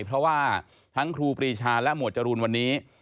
เพราะว่าทั้งครูปรีชาและหมวดจรูนวันนี้